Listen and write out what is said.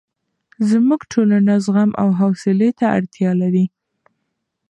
زموږ ټولنه زغم او حوصلې ته اړتیا لري.